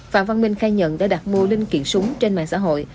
phạm văn minh khai nhận đã đặt mua linh kiện súng trên mạng xã hội